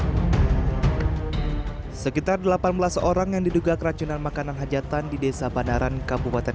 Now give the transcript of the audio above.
hai sekitar delapan belas orang yang diduga keracunan makanan hajatan di desa bandaran kabupaten